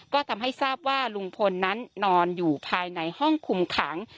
ก็ทำให้ทราบว่าลุงพลนั้นนอนอยู่ภายในห้องคุมขัง